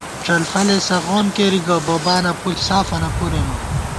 ڄلفَلےسغون کېری گہ بوبانہ پُݪ سافَنہ پُرےنُن